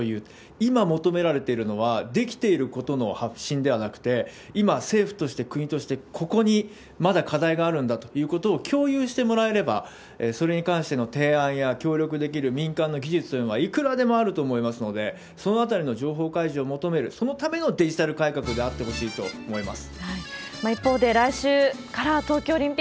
今求められてるのは、できていることの発信ではなくて、今、政府として国として、ここにまだ課題があるんだということを共有してもらえれば、それに関しての提案や、協力できる民間の技術というのはいくらでもあると思いますので、そのあたりの情報開示を求める、そのためのデジタル改革であってほしいと思います。